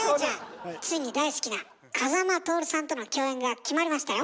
ついに大好きな風間トオルさんとの共演が決まりましたよ。